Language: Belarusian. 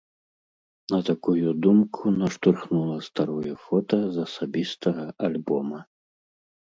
На такую думку наштурхнула старое фота з асабістага альбома.